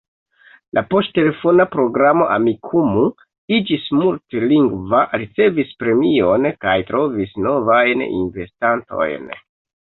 La poŝtelefona programo Amikumu iĝis multlingva, ricevis premion kaj trovis novajn investantojn.